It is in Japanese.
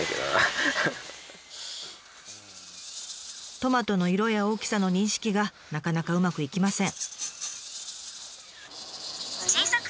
トマトの色や大きさの認識がなかなかうまくいきません。